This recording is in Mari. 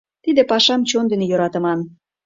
Тиде пашам чон дене йӧратыман.